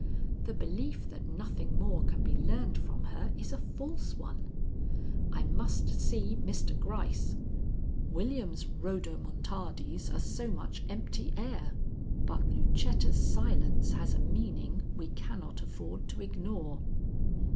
"The belief that nothing more can be learned from her is a false one. I must see Mr. Gryce. William's rodomontades are so much empty air, but Lucetta's silence has a meaning we cannot afford to ignore."